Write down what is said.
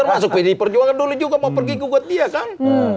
termasuk pd perjuangan dulu juga mau pergi gugat dia kan